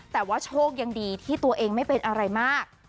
แต่ว่าโชคยังดีที่ตัวเองไม่เป็นอะไรมาก